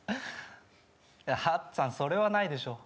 八っつあんそれはないでしょ